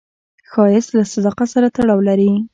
ښایست له صداقت سره تړاو لري